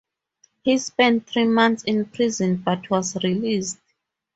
He spent three months in prison, but was released.